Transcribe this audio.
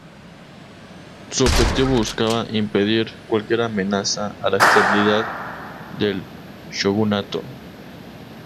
Su objetivo buscaba impedir cualquier amenaza a la estabilidad del shogunato.